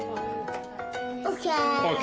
ＯＫ！